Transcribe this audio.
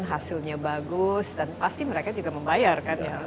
hasilnya bagus dan pasti mereka juga membayar kan ya